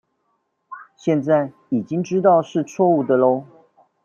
現在已經知道是錯誤的囉